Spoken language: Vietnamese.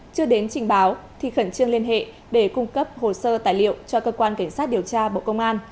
chưa đến trình báo thì khẩn trương liên hệ để cung cấp hồ sơ tài liệu cho cơ quan cảnh sát điều tra bộ công an